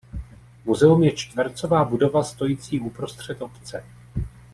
Muzeum je čtvercová budova stojící uprostřed obce.